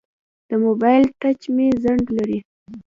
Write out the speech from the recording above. د موبایل ټچ مې ځنډ لري.